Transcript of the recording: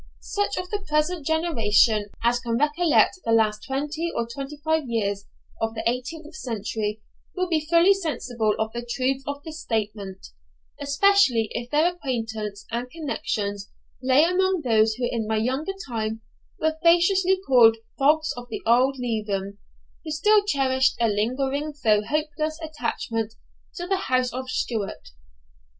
Such of the present generation as can recollect the last twenty or twenty five years of the eighteenth century will be fully sensible of the truth of this statement; especially if their acquaintance and connexions lay among those who in my younger time were facetiously called 'folks of the old leaven,' who still cherished a lingering, though hopeless, attachment to the house of Stuart.